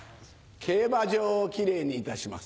競馬場をキレイにいたします。